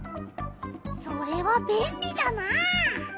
それはべんりだなあ！